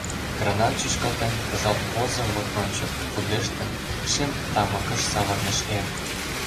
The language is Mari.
Гранат, шӱшкалтен, пыжалт возо вот ончык — Пудештын, шем тамыкыш савырныш эр.